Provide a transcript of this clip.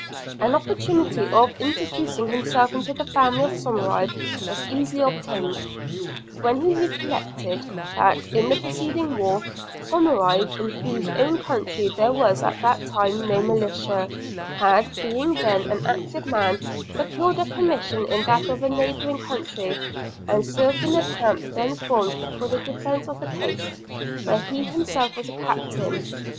An opportunity of introducing himself into the family of Somerive was easily obtained, when he recollected that, in the preceding war, Somerive, in whose own county there was at that time no militia, had, being then an active man, procured a commission in that of a neighbouring county, and served in a camp then formed for the defence of the coast, where he himself was a captain.